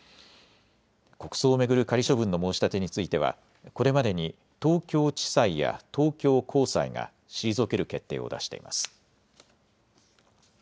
国葬を巡る仮処分の申し立てについては、これまでに東京地裁や東京高裁が退ける決定を出しています。